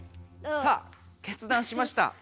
さあ決断しました。